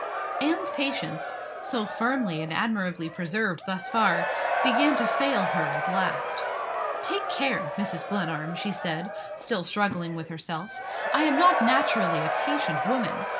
Anne's patience so firmly and admirably preserved thus far began to fail her at last. "Take care, Mrs. Glenarm!" she said, still struggling with herself. "I am not naturally a patient woman.